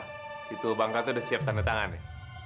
situ bangka sudah siap tanda tangan ya